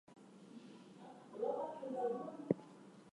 Ipswich was becoming a place of national and international importance.